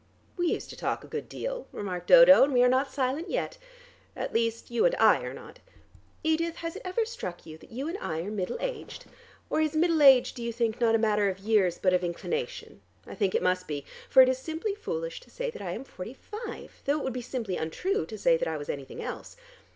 "We used to talk a good deal," remarked Dodo, "and we are not silent yet. At least you and I are not. Edith, has it ever struck you that you and I are middle aged? Or is middle age, do you think, not a matter of years, but of inclination? I think it must be, for it is simply foolish to say that I am forty five, though it would be simply untrue to say that I was anything else.